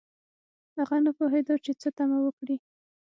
هغه نه پوهیده چې څه تمه وکړي